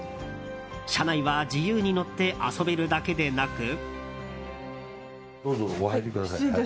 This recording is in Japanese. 車内は自由に乗って遊べるだけでなく。